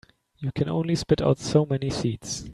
You can only spit out so many seeds.